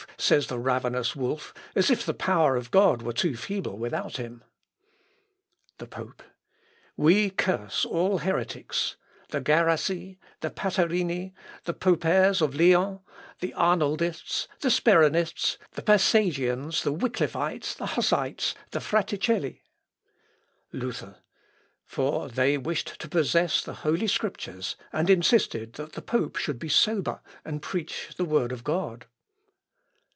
says the ravenous wolf, as if the power of God were too feeble without him." The Pope. "We curse all heretics, the Garasi, the Patarini, the Pauperes of Lyon, the Arnoldists, the Speronists, the Passagians, the Wickliffites, the Hussites, the Fraticelli." This name is inaccurate; read Gazari or Cathari. Luther. "For they wished to possess the Holy Scriptures, and insisted that the pope should be sober and preach the Word God."